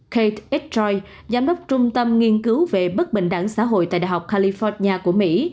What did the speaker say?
ketroid giám đốc trung tâm nghiên cứu về bất bình đẳng xã hội tại đại học california của mỹ